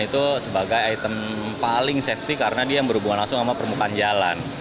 itu sebagai item paling safety karena dia yang berhubungan langsung sama permukaan jalan